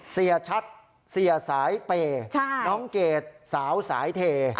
เสียชัดเสียสายเปย์น้องเกดสาวสายเท